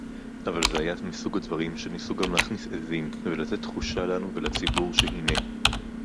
אבל זה היה מסוג הדברים שניסו גם להכניס עזים ולתת תחושה לנו ולציבור שהנה